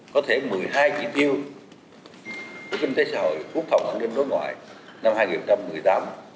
có thể một mươi hai chỉ tiêu kinh tế xã hội quốc phòng an ninh đối ngoại năm hai nghìn một mươi tám